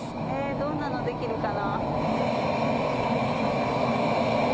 どんなのできるかな？